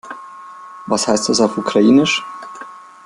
Was heißt das auf Ukrainisch?